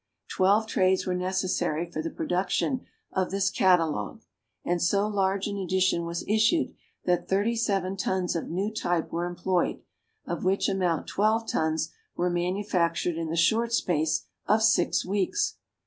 Twelve trades were necessary for the production of this catalogue. And so large an edition was issued that thirty seven tons of new type were employed, of which amount twelve tons were manufactured in the short space of six weeks!